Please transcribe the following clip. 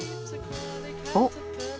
おっ！